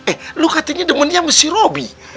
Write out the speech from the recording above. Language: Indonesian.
eh lu katanya demen dia si robi